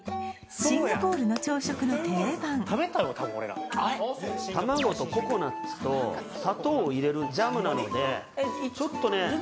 シンガポールの朝食の定番卵とココナッツと砂糖を入れるジャムなのでちょっとね